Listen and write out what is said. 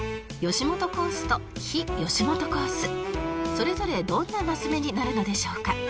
それぞれどんなマス目になるのでしょうか？